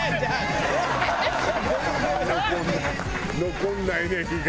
残んないね火が。